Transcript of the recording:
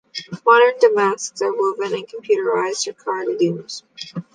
Modern damasks are woven on computerized Jacquard looms.